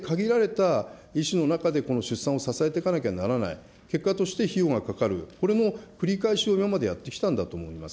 したがって限られた医師の中でこの出産を支えていかなきゃならない、結果として費用がかかる、これも繰り返しを今までやってきたんだと思います。